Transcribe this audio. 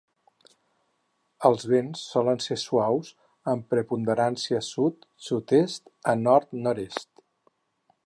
Els vents solen ser suaus amb preponderància sud, sud-est, a nord, nord-est.